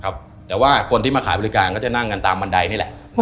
แต่ว่าคนที่มาขายบริการก็จะนั่งกันตามบันไดนี่แหละ